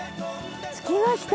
着きました。